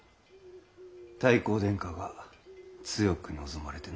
太閤殿下が強く望まれてな。